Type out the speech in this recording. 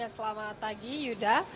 selamat pagi yuda